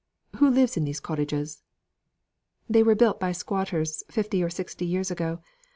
Who lives in these cottages?" "They were built by squatters fifty or sixty years ago.